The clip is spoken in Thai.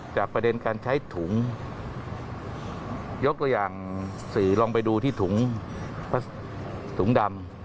ประเด็นการใช้ถุงยกตัวอย่างสื่อลองไปดูที่ถุงถุงดำ